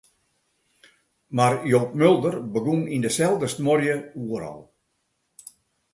Mar Joop Mulder begûn yn deselde snuorje Oerol.